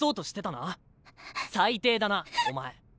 最低だなお前。